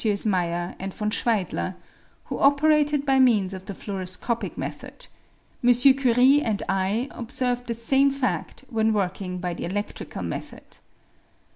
Meyer and von Schweidler, who operated by means of the fluoroscopic method ; M. Curie and I observed the same fadt when working by the eleiftrical method.